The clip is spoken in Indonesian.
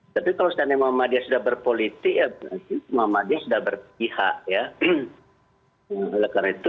tapi kalau seandainya muhammadiyah sudah berpolitik ya muhammadiyah sudah berpihak ya